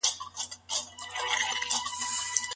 په خلوت کي له ممنوعه کارونو څخه د ځان ساتنې ضمانت سته؟